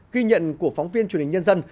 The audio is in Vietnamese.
ghi nhận của phóng viên truyền hình nhân dân